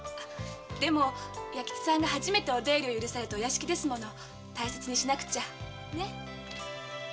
でも初めてお出入りを許されたお屋敷ですもの大切にしなくちゃね。